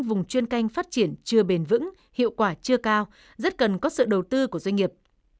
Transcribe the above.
các vùng chuyên canh phát triển chưa bền vững hiệu quả chưa cao rất cần có sự đầu tư của doanh nghiệp